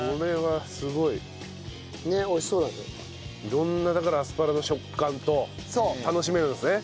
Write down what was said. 色んなだからアスパラの食感と楽しめるんですね。